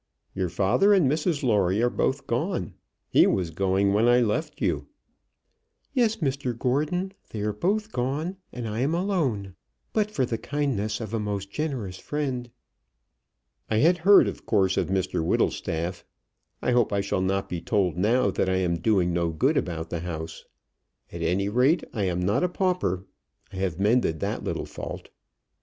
Your father and Mrs Lawrie are both gone. He was going when I left you." "Yes, Mr Gordon. They are both gone, and I am alone, but for the kindness of a most generous friend." "I had heard, of course, of Mr Whittlestaff. I hope I shall not be told now that I am doing no good about the house. At any rate I am not a pauper. I have mended that little fault."